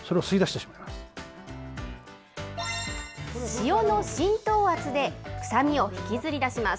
塩の浸透圧で、臭みを引きずり出します。